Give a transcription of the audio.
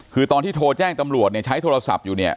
คือตอนที่โทรแจ้งตำรวจเนี่ยใช้โทรศัพท์อยู่เนี่ย